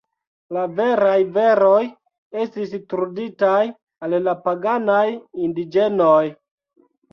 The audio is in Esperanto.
La veraj veroj estis truditaj al la paganaj indiĝenoj.